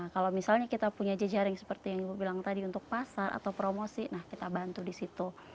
kalau misalnya kita punya jejaring seperti yang ibu bilang tadi untuk pasar atau promosi nah kita bantu di situ